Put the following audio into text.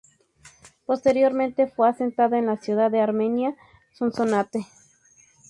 Posteriormente, fue asentado en la ciudad de Armenia, Sonsonate.